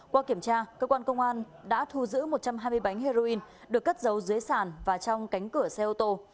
qua kiểm tra cơ quan công an đã thu giữ một trăm hai mươi bánh heroin được cất giấu dưới sàn và trong cánh cửa xe ô tô